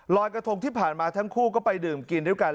รอยกระทงที่ผ่านมาทั้งคู่ก็ไปดื่มกินด้วยกัน